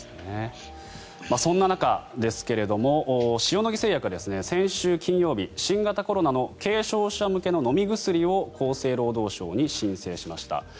そんな中ですが塩野義製薬が先週金曜日、新型コロナの軽症者向けの飲み薬を厚生労働省に申請しました。